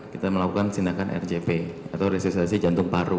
kita melakukan tindakan rgp atau resusitasi jantung paru